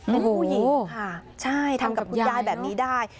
เป็นผู้หญิงค่ะใช่ทำกับคุณยายแบบนี้ได้